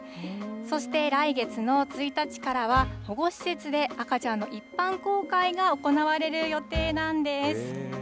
そして、来月の１日からは、保護施設で赤ちゃんの一般公開が行われる予定なんです。